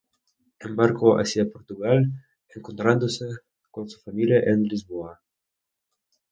Embarcó hacia Portugal, encontrándose con su familia en Lisboa.